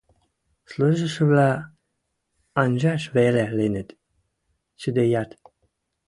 Служышывлӓ анжаш веле линӹт, цӱдейӓт.